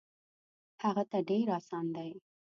هغه ته ډېر اسان دی.